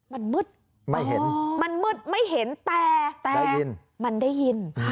มันมืดมันมืดไม่เห็นแต่มันได้ยิน